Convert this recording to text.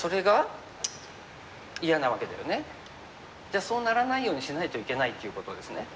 じゃあそうならないようにしないといけないっていうことですね。